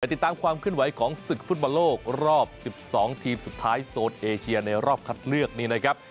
ติดตามความเคลื่อนไหวของศึกฟุตบอลโลกรอบ๑๒ทีมสุดท้ายโซนเอเชียในรอบคัดเลือกนี้นะครับ